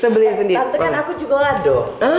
tentu kan aku juga lado